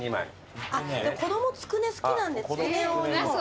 子供つくね好きなんでつくねを２本。